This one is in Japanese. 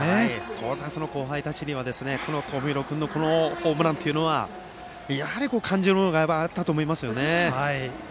当然、後輩たちには友廣君のこのホームランというのはやはり感じるものがあったと思います。